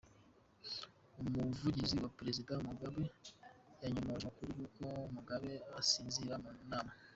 Umuvugizi wa Perezida Mugabe yanyomoje amakuru y’ uko Mugabe asinzira mu nama.